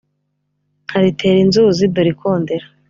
nkaritera inzuzi; dore ikondera